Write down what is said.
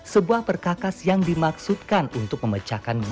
penyajian ayam pengemis letakkan apa karena warna matang